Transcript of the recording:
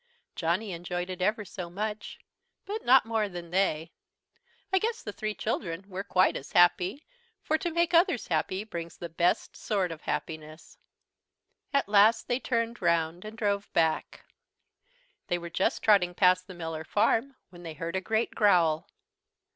Johnny enjoyed it ever so much, but not more than they. I guess the three children were quite as happy, for to make others happy brings the best sort of happiness. At last they turned round and drove back. They were just trotting past the Miller Farm when they heard a great growl.